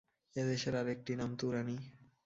এদেশের আর একটি নাম তুরানী।